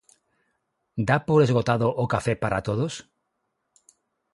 Dá por esgotado o café para todos?